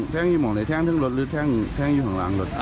แท่งอยู่หลังรถหรือแท่งอยู่ข้างหลังรถ